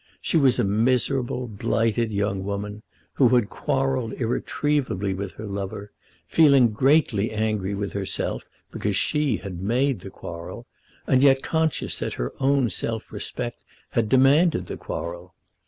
She was a miserable, blighted young woman, who had quarrelled irretrievably with her lover, feeling greatly angry with herself because she had made the quarrel, and yet conscious that her own self respect had demanded the quarrel.